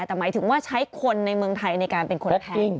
แต่หมายถึงว่าใช้คนในเมืองไทยในการเป็นคนแทง